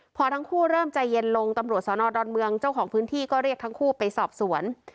พอทั้งคู่เริ่มใจเย็นลงตำรวจสนดอนเมืองเจ้าของพื้นที่ก็เรียกทั้งคู่ไปสอบสวน